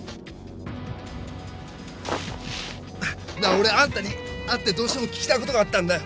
俺あんたに会ってどうしても聞きたいことがあったんだよ！